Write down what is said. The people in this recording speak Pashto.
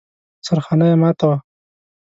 سرخانه يې ماته وه.